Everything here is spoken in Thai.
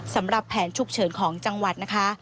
สำหรับแผนฉุกเฉินของจังหวัดนะคะ